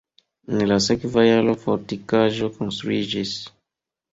En la sekva jaro fortikaĵo konstruiĝis.